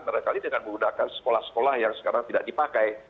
barangkali dengan menggunakan sekolah sekolah yang sekarang tidak dipakai